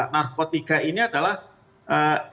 narkotika ini adalah narkotika yang berbeda